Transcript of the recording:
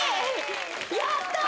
やったー！